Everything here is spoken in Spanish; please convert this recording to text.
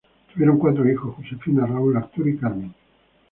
Tuvieron cuatro hijos: Josefina, Raúl, Arturo y Carmen.